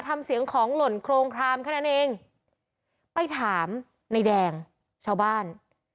ทำเสียงของหล่นโครงครามแค่นั้นเองไปถามในแดงชาวบ้าน